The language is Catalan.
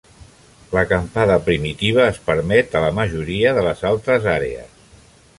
L'acampada primitiva es permet a la majoria de les altres àrees.